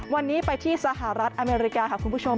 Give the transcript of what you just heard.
วันนี้ไปที่สหรัฐอเมริกาค่ะคุณผู้ชม